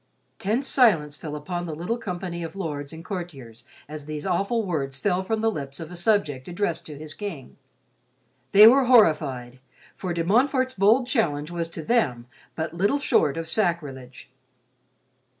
Tense silence fell upon the little company of lords and courtiers as these awful words fell from the lips of a subject, addressed to his king. They were horrified, for De Montfort's bold challenge was to them but little short of sacrilege.